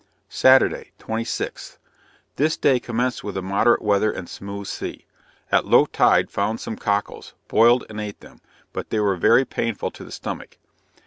Saturday, 26th. This day commenced with moderate weather and smooth sea; at low tide found some cockles; boiled and eat them, but they were very painful to the stomach.